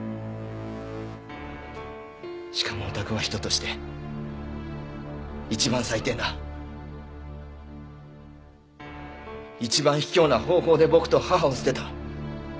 しかもおたくは人として一番最低な一番卑怯な方法で僕と母を捨てた。